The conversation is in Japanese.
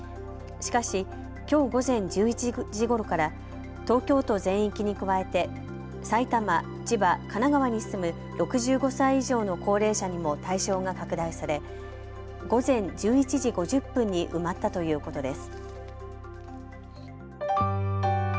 しかし、きょう午前１１時ごろから東京都全域に加えて埼玉、千葉、神奈川に住む６５歳以上の高齢者にも対象が拡大され午前１１時５０分に埋まったということです。